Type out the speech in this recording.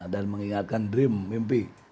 dan mengingatkan dream mimpi